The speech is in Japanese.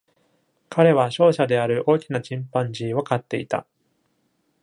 彼は勝者である大きなチンパンジーを飼っていた。